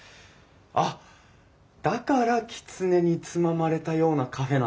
だからきつねにつままれたようなカフェなんだ。